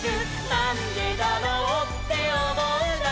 「なんでだろうっておもうなら」